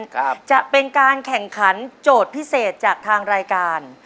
ครับจะเป็นการแข่งขันโจทย์พิเศษจากทางรายการ